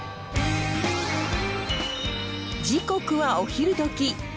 時刻はお昼どき。